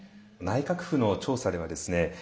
内閣府の調査ではですね